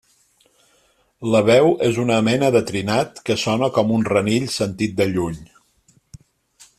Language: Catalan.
La veu és una mena de trinat que sona com un renill sentit de lluny.